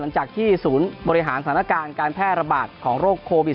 หลังจากที่ศูนย์บริหารสถานการณ์การแพร่ระบาดของโรคโควิด๑